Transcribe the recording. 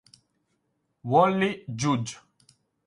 Wally Judge